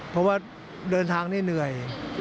เพราะว่าเดินทางนี่เหนื่อย